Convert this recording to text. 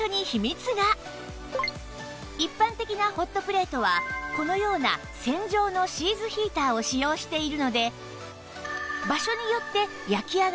一般的なホットプレートはこのような線状のシーズヒーターを使用しているので